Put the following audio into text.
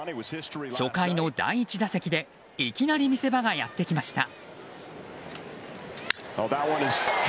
初回の第１打席でいきなり見せ場がやってきました。